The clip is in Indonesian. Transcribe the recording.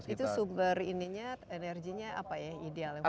itu sumber ininya energinya apa ya idealnya